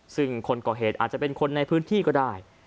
ซึ่งคนก่อเหตุอาจจะเป็นคนในพื้นที่ก็ได้